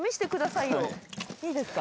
いいですか？